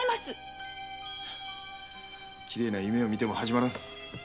きれいな夢を見ても始まらぬ。